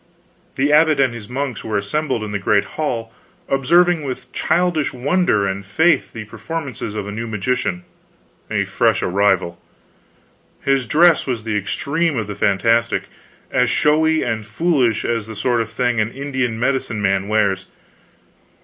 The abbot and his monks were assembled in the great hall, observing with childish wonder and faith the performances of a new magician, a fresh arrival. His dress was the extreme of the fantastic; as showy and foolish as the sort of thing an Indian medicine man wears.